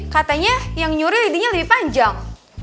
katanya yang nyuri lidinya lebih panjang